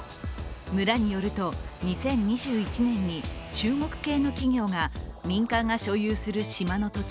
村によると、２０２１年に中国系の企業が民間が所有する島の土地